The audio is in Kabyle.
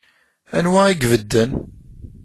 Anwa i ibedden?